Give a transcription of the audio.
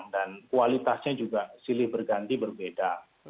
dan kualitasnya juga silih berganti berbeda